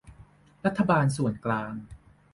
รัฐบาลส่วนกลาง